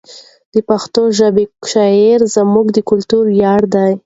د پښتو ژبې شاعري زموږ د کلتور ویاړ ده.